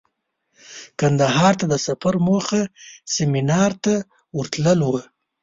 کندهار ته د سفر موخه سمینار ته ورتلو وه.